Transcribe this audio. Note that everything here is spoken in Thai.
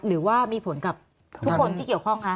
หรือว่ามีผลกับทุกคนที่เกี่ยวข้องคะ